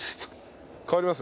変わります？